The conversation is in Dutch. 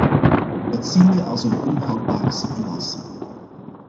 Dat zien wij als een onhoudbare situatie.